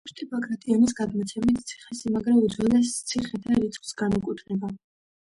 ვახუშტი ბაგრატიონის გადმოცემით, ციხესიმაგრე უძველეს ციხეთა რიცხვს განეკუთვნება.